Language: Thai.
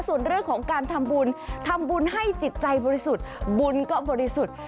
ส่วนเรื่องของการทำบุญทำบุญให้จิตใจบริสุทธิ์บุญก็บริสุทธิ์